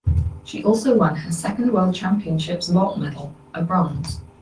She also won her second World Championships vault medal, a bronze.